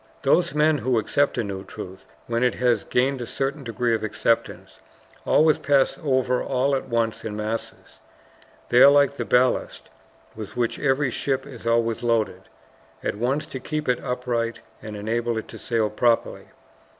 Those men who accept a new truth when it has gained a certain degree of acceptance, always pass over all at once in masses. They are like the ballast with which every ship is always loaded, at once to keep it upright and enable it to sail properly.